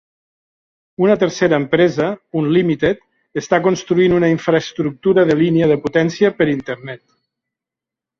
Una tercera empresa, Unlimited, està construint una infraestructura de línia de potència per internet.